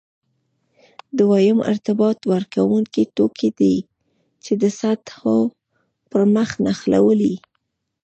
دویم ارتباط ورکوونکي توکي دي چې د سطحو پرمخ نښلوي.